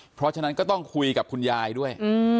เพราะฉะนั้นก็ต้องคุยกับคุณยายด้วย